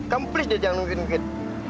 kamu please deh jangan nungguin nungguin